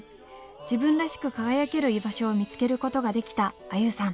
自分らしく輝ける居場所を見つけることができた愛友さん。